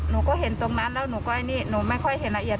หนูก็เห็นตรงนั้นแล้วหนูก็นี่หนูไม่ค่อยเห็นละเอียด